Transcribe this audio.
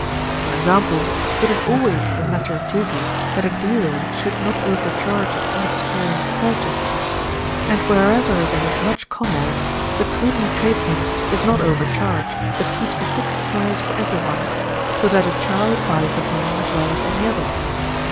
For example, it is always a matter of duty that a dealer should not over charge an inexperienced purchaser; and wherever there is much commerce the prudent tradesman does not overcharge, but keeps a fixed price for everyone, so that a child buys of him as well as any other.